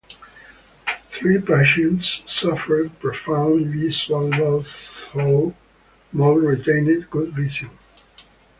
Three patients suffered profound visual loss though most retained good vision.